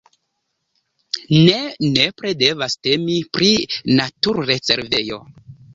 Ne nepre devas temi pri naturrezervejo.